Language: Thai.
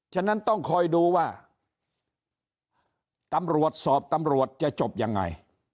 ฉะนั้นต้องคอยดูว่าตำรวจสอบตำรวจจะจบยังไง